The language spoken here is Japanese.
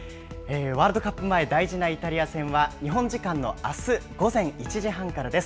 ワールドカップ前大事なイタリア戦は、日本時間のあす午前１時半からです。